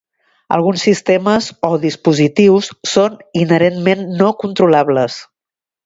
Alguns sistemes o dispositius són inherentment no controlables.